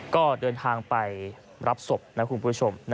ก็เดินทางไปรับศพนะคุณผู้ชม